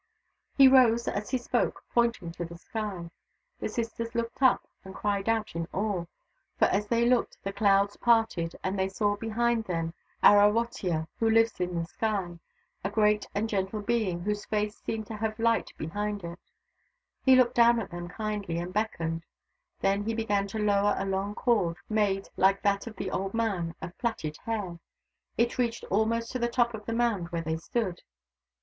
He rose, as he spoke, pointing to the sky. The sisters looked up, and cried out in awe. For as they THE DAUGHTERS OF WONKAWALA 185 looked, the clouds parted, and they saw behind them Arawotya, who lives in the sky : a great and gentle Being whose face seemed to have hght behind it. He looked down at them kindly, and beckoned. Then he began to lower a long cord, made, like that of the old man, of plaited hair. It reached almost to the top of the mound where they stood.